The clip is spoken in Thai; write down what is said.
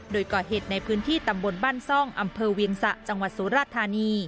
โดยก่อเหตุในพื้นที่ตำบลบ้านซ่องอำเภอเวียงสะจังหวัดสุราธานี